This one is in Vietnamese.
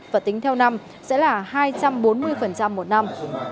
và tính theo năm sẽ là hai trăm bốn mươi một năm